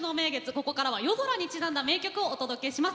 ここからは夜空にちなんだ名曲をお届けします。